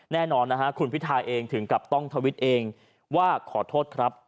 แน่นอนนะฮะคุณพิทาเองถึงกับต้องทวิตเองว่าขอโทษครับ